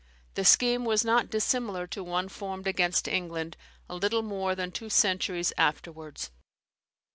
The scheme was not dissimilar to one formed against England a little more than two centuries afterwards.